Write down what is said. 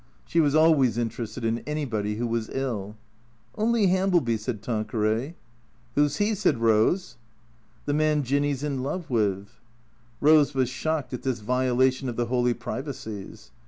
She was always interested in anybody who was ill. " Only Hambleby," said Tanqueray. "Who's he?" said Eose. " The man Jinny 's in love with." Eose was shocked at this violation of the holy privacies.